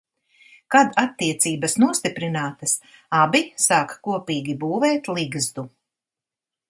Kad attiecības nostiprinātas, abi sāk kopīgi būvēt ligzdu.